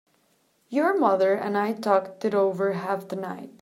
Your mother and I talked it over half the night.